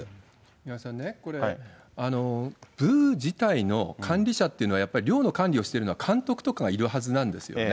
宮根さんね、これ、部自体の管理者ってのは、やっぱり寮の管理をしてるのは、監督とかがいるはずなんですよね。